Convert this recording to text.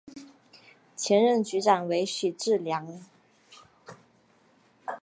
前任局长为许志梁。